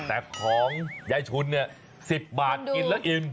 แต่ของใหญ่ชุน๑๐บาทกินแล้วอิ่ม